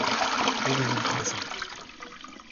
Bu benim kartım.